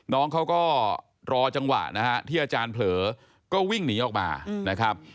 น้องเขาก็รอจังหวะนะฮะที่อาจารย์เผลอก็วิ่งหนีออกมานะครับ